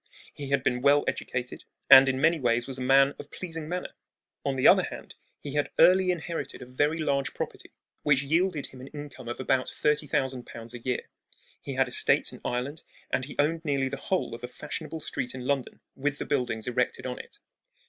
He had been well educated, and in many ways was a man of pleasing manner. On the other hand, he had early inherited a very large property which yielded him an income of about thirty thousand pounds a year. He had estates in Ireland, and he owned nearly the whole of a fashionable street in London, with the buildings erected on it.